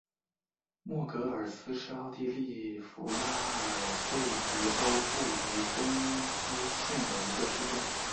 默格尔斯是奥地利福拉尔贝格州布雷根茨县的一个市镇。